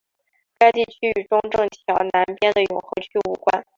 该地区与中正桥南边的永和区无关。